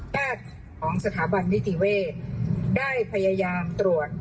แพทย์ของสถาบันนิติเวศได้พยายามตรวจ